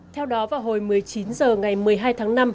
theo đó vào hồi một mươi chín h ngày một mươi hai tháng năm